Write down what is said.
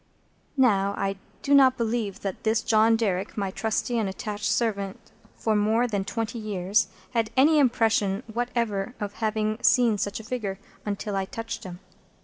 Now I do not believe that this John Derrick, my trusty and attached servant for more than twenty years, had any impression whatever of having seen any such figure, until I touched him.